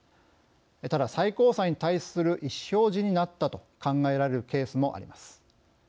ただ、最高裁に対する意思表示になったと考えられるケースもあります。